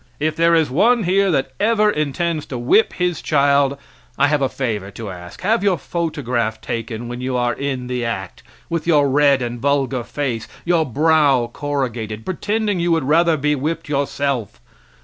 If there is one here that ever intends to whip his child I have a favor to ask. Have your photograph taken when you are in the act, with your red and vulgar face, your brow corrugated, pretending you would rather be whipped yourself.